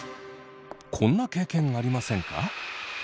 こんな経験ありませんか？